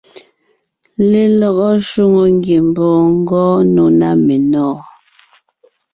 Lelɔgɔ shwòŋo ngiembɔɔn ngɔɔn nò ná menɔ̀ɔn.